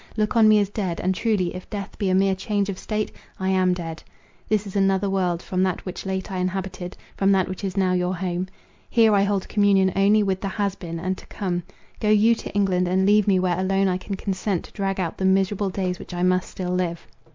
Look on me as dead; and truly if death be a mere change of state, I am dead. This is another world, from that which late I inhabited, from that which is now your home. Here I hold communion only with the has been, and to come. Go you to England, and leave me where alone I can consent to drag out the miserable days which I must still live."